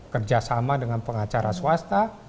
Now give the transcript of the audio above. kerjasama dengan pengacara swasta